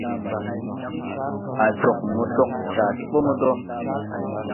A cog mo cog, caa ti bo mo dɔɔ.